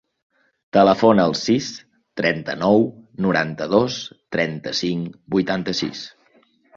Telefona al sis, trenta-nou, noranta-dos, trenta-cinc, vuitanta-sis.